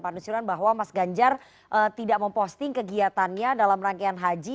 pak nusirwan bahwa mas ganjar tidak memposting kegiatannya dalam rangkaian haji